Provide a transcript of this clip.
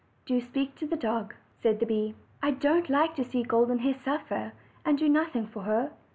"Do speak to the dog," said the bee. "I don't like to see Golden Hair suffer, and do nothing for her."